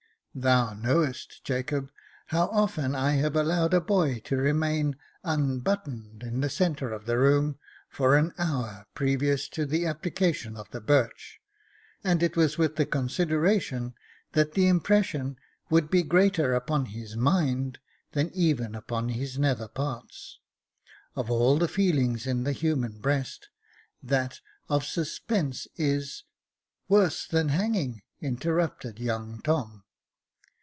Thou knowest, Jacob, how 240 Jacob Faithful often I have allowed a boy to remain unbuttoned in the centre of the room for an hour previous to the application of the birch — and it was with the consideration that the impression would be greater upon his mind than even upon his nether parts. Of all the feelings in the human breast, that of suspense is "" Worse than hanging,'''' interrupted young Tom.